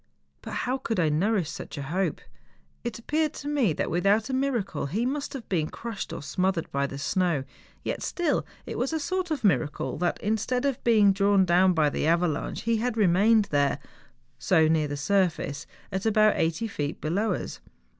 But how could I nourish such a hope ? It appeared to me that without a miracle he must have been crushed or smotliered by the snow; yet still it was a sort of miracle that instead of being drawn down by the avalanche, he had remained there, so near the surface, at about eiglity feet below us.